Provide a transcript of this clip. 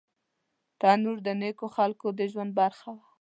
تنور د نیکو خلکو د ژوند برخه وه